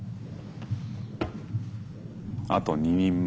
あと２人前。